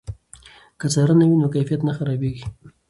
که څارنه وي نو کیفیت نه خرابېږي.